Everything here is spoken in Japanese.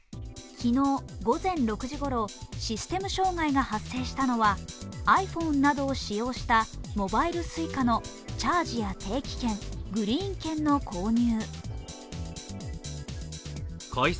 昨日、午前６時ごろシステム障害が発生したのはｉＰｈｏｎｅなどを使用したモバイルＳｕｉｃａのチャージや定期券、グリーン券の購入。